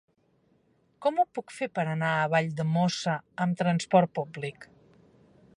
Com ho puc fer per anar a Valldemossa amb transport públic?